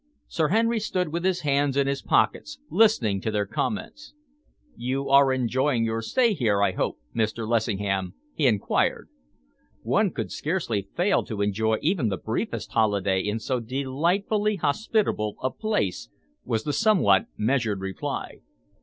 Sir Henry stood with his hands in his pockets, listening to their comments. "You are enjoying your stay here, I hope, Mr. Lessingham?" he enquired. "One could scarcely fail to enjoy even the briefest holiday in so delightfully hospitable a place," was the somewhat measured reply.